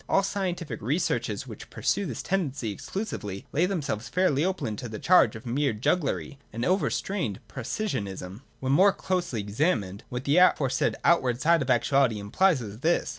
All scientific re searches which pursue this tendency exclusively, lay them selves fairly open to the charge of mere jugglery and an over strained precisianism. 146.] When more closely examined, what the afore said outward side of actuality implies is this.